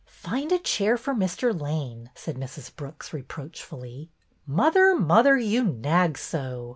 '' Find a chair for Mr. Lane," said Mrs. Brooks, reproachfully. '' Mother, mother, you nag so